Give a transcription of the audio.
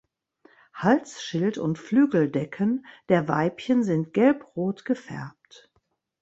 Halsschild und Flügeldecken der Weibchen sind gelbrot gefärbt.